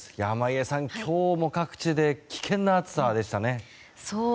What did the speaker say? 眞家さん、今日も各地で危険な暑さでしたね。